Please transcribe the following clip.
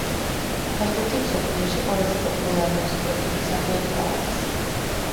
ფეხბურთი მსოფლიოში ყველაზე პოპულარული სპორტული სახეობა არის